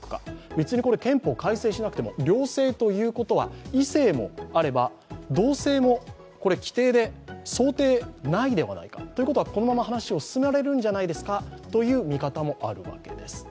別にこれ、憲法改正しなくても両性ということは、異性もあれば同性も規定で想定内ではないか。ということはこのまま話を進められるのではという見方もあります。